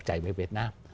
chảy về việt nam